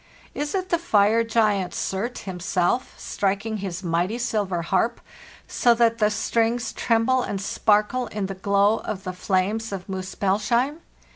Is it the fire giant Surt himself, striking his mighty silver harp, so that the strings tremble and sparkle in the glow of the flames of Muspellsheim?